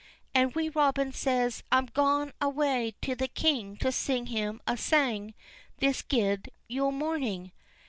And Wee Robin says: "I'm gaun awa' to the king to sing him a sang this guid Yule morning."